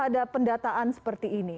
ada pendataan seperti ini